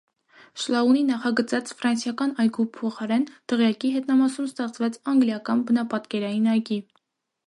Շլաունի նախագծած ֆրանսիական այգու փոխարեն դղյակի հետնամասում ստեղծվեց անգլիական բնապատկերային այգի։